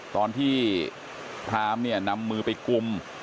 ตอนที่พร้ำนำมือไปกลุ่ม